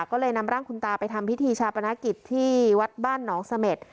ก็เลยนำร่างคุณตาไปทำพิธีชาปนกิจที่วัดบ้านหนองเสม็ด